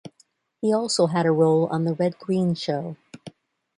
He also had a role on the "Red Green Show".